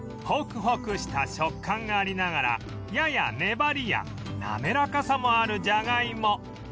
ホクホクした食感がありながらやや粘りやなめらかさもあるじゃがいも